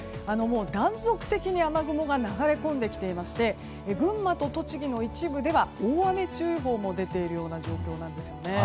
断続的に雨雲が流れ込んできていまして群馬と栃木の一部では大雨注意報も出ている状況なんですよね。